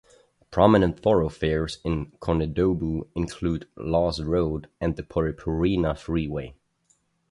Prominent thoroughfares in Konedobu include Lawes Road and the Poreporena Freeway.